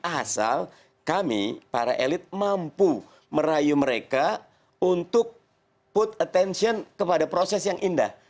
asal kami para elit mampu merayu mereka untuk put attention kepada proses yang indah